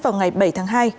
vào ngày bảy tháng hai